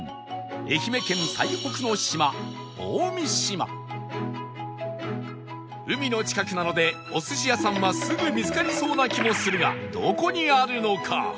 愛媛県最北の島海の近くなのでお寿司屋さんはすぐ見つかりそうな気もするがどこにあるのか？